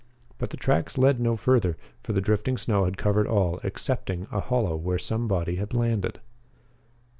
But the tracks led no further, for the drifting snow had covered all excepting a hollow where some body had landed.